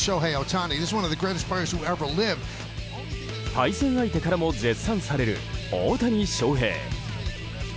対戦相手からも絶賛される大谷翔平。